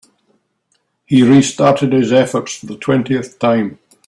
He restarted his efforts for the twentieth time.